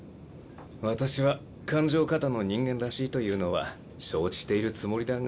私は感情過多の人間らしいというのは承知しているつもりだが。